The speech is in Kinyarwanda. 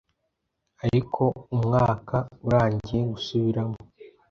Ariko umwaka urangiye gusubiramo